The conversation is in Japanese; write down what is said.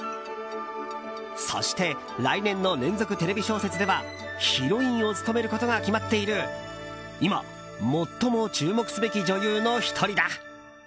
そして、来年の連続テレビ小説ではヒロインを務めることが決まっている今、最も注目すべき女優の１人だ。